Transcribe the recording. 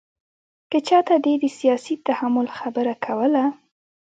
که چاته دې د سیاسي تحمل خبره کوله.